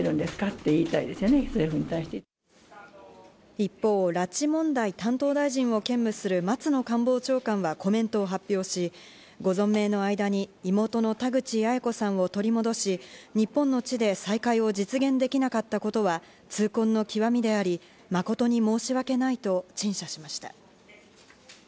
一方、拉致問題担当大臣を兼務する松野官房長官はコメントを発表し、ご存命の間に妹の田口八重子さんを取り戻し、日本の地で再会を実現できなかったことは痛恨のきわみであり、誠に申し訳ないと陳謝しました。